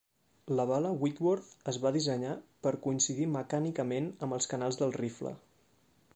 La bala Whitworth es va dissenyar per coincidir mecànicament amb els canals del rifle.